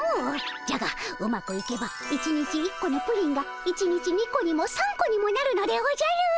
じゃがうまくいけば１日１個のプリンが１日２個にも３個にもなるのでおじゃる！